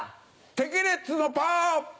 テケレッツのパー。